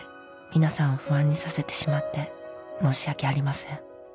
「皆さんを不安にさせてしまって申し訳ありません」